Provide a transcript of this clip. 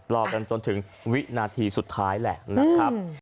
รอกันจนถึงวินาทีสุดท้ายแหละนะครับ